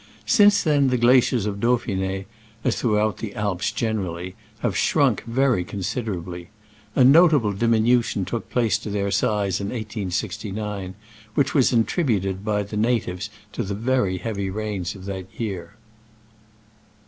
Since then the gla ciers of Dauphine (as throughout the Alps generally) have shrunk very considerably. A notable diminu tion took place in their size in 1869, which was at tributed by the natives to the very heavy rains of that year.